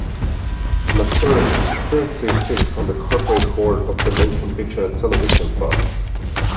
Masur currently sits on the Corporate Board of the Motion Picture and Television Fund.